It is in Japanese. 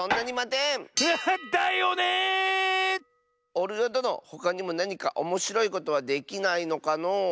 おるよどのほかにもなにかおもしろいことはできないのかのう？